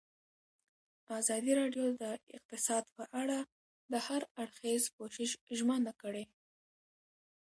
ازادي راډیو د اقتصاد په اړه د هر اړخیز پوښښ ژمنه کړې.